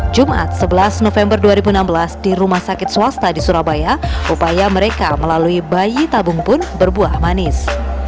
jumat sebelas november dua ribu enam belas di rumah sakit swasta di surabaya upaya mereka melalui bayi tabung pun berbuah manis